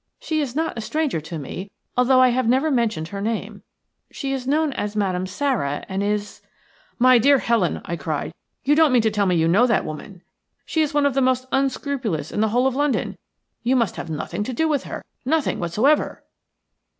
She is not a stranger to me, although I have never mentioned her name. She is known as Madame Sara, and is –" "My dear Helen!" I cried. "You don't mean to tell me you know that woman? She is one of the most unscrupulous in the whole of London. You must have nothing to do with her – nothing whatever."